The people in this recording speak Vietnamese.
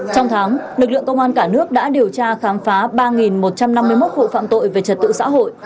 trong tháng lực lượng công an cả nước đã điều tra khám phá ba một trăm năm mươi một vụ phạm tội về trật tự xã hội